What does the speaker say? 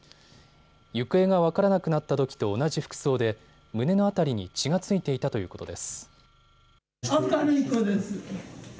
行方が分からなくなったときと同じ服装で胸の辺りに血が付いていたということです。